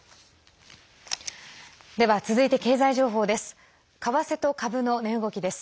では続いて経済情報です。